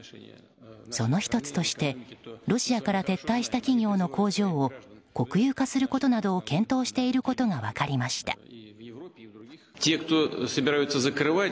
その１つとしてロシアから撤退した企業の工場を国有化することなどを検討していることが分かりました。